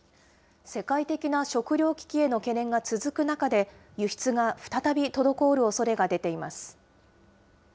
世界的な食料危機への懸念が続く中で、輸出が再び滞るおそれが出ています。